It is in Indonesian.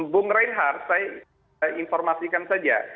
bung reinhardt saya informasikan saja